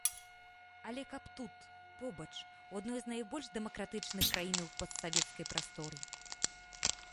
Але каб тут, побач, у адной з найбольш дэмакратычных краінаў постсавецкай прасторы!